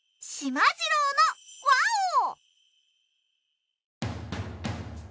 『しまじろうのわお！』。